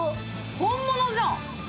本物じゃん！